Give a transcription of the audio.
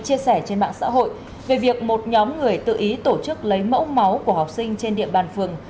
chia sẻ trên mạng xã hội về việc một nhóm người tự ý tổ chức lấy mẫu máu của học sinh trên địa bàn phường